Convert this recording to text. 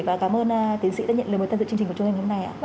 và cảm ơn tiến sĩ đã nhận lời mời tân dựng chương trình của chúng em hôm nay